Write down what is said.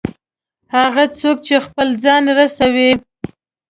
هغه څوک چې خپل ځان رسوي.